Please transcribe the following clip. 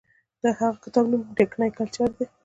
د هغه د کتاب نوم دکني کلچر دی.